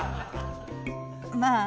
まあ。